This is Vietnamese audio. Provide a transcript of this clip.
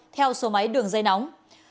theo số máy đường dây nóng